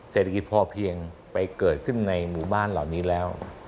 เศรษฐกิจพอเพียงไปเกิดขึ้นในหมู่บ้านเหล่านี้แล้ว